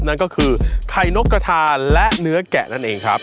นั่นก็คือไข่นกกระทาและเนื้อแกะนั่นเองครับ